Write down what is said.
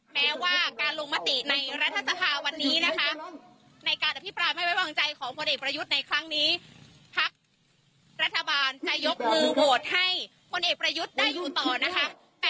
แต่กรุงที่ปกป้องและรักประชาธิปไตยนะคะ